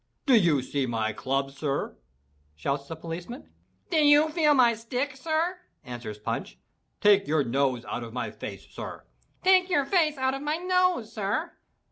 — "Do you see my club, sir?" shouts the policeman. "Do you feel my stick, sir?" answers Punch. "Take your nose out of my face, sir!" "Take your face out of my nose, sir!"